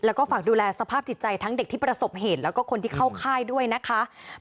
แล้วก็ฝากดูแลสภาพจิตใจทั้งเด็กที่ประสบเหตุแล้วก็คนที่เข้าค่ายด้วยนะคะ